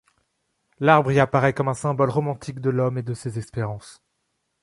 L'arbre y apparaît comme un symbole romantique de l'homme et de ses espérances.